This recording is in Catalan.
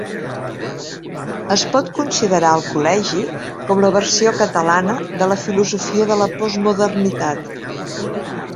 Es pot considerar el Col·legi com la versió catalana de la filosofia de la postmodernitat.